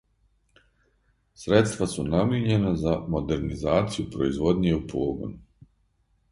Средства су намијењена за модернизацију производње у погону.